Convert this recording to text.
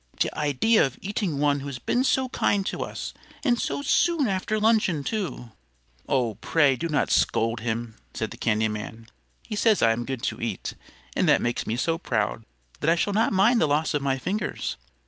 The idea of eating one who has been so kind to us, and so soon after luncheon, too!" "Pray, do not scold him," said the candy man. "He says I am good to eat, and that makes me so proud that I shall not mind the loss of my fingers.